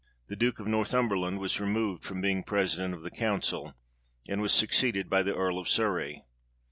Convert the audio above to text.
The Duke of Northumberland was removed from being president of the council, and was succeeded by the Earl of Surrey.